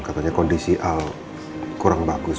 katanya kondisi al kurang bagus